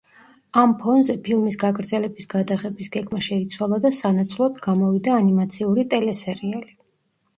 ამ ფონზე ფილმის გაგრძელების გადაღების გეგმა შეიცვალა და სანაცვლოდ გამოვიდა ანიმაციური ტელესერიალი.